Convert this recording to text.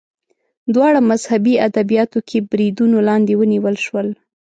دواړه مذهبي ادبیاتو کې بریدونو لاندې ونیول شول